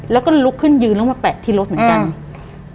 แล้วก็ลุกขึ้นยืนแล้วมาแปะที่รถเหมือนกัน